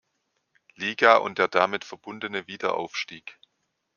Liga und der damit verbundene Wiederaufstieg.